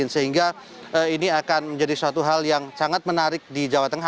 sehingga ini akan menjadi suatu hal yang sangat menarik di jawa tengah